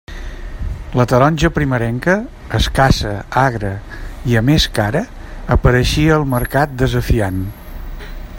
La taronja primerenca, escassa, agra, i a més cara, apareixia al mercat desafiant.